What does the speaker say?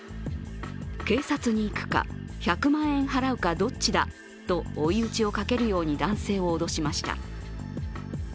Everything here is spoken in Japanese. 警察に行くか、１００万円払うかどっちだと追い打ちをかけるように男性を脅しました。